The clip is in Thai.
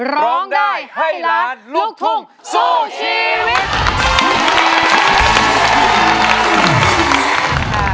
ร้องได้ให้ล้านลูกทุ่งสู้ชีวิต